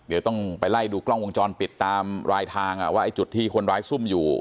เดี๋ยวต้องไปไล่ดูกล้องวงจรปิดตามรายทางว่าไอ้จุดที่คนร้ายซุ่มอยู่